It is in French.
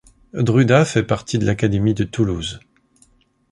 Drudas fait partie de l'académie de Toulouse.